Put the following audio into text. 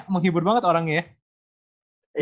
penghibur banget orangnya ya